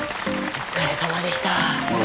お疲れさまでした。